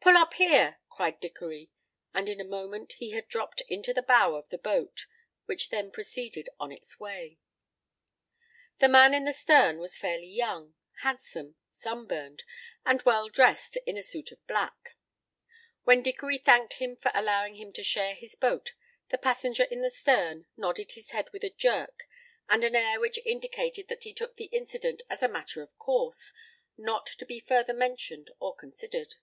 "Pull up here," cried Dickory, and in a moment he had dropped into the bow of the boat, which then proceeded on its way. The man in the stern was fairly young, handsome, sunburned, and well dressed in a suit of black. When Dickory thanked him for allowing him to share his boat the passenger in the stern nodded his head with a jerk and an air which indicated that he took the incident as a matter of course, not to be further mentioned or considered.